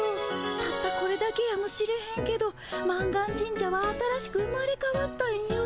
たったこれだけやもしれへんけど満願神社は新しく生まれかわったんよ。